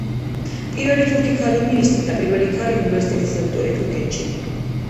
პირველი თურქი ქალი მინისტრი და პირველი ქალი უნივერსიტეტის რექტორი თურქეთში.